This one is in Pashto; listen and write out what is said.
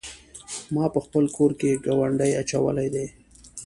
ما په خپل کور کې ګاونډی اچولی دی.